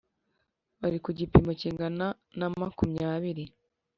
bari ku gipimo kingana na makumyabiri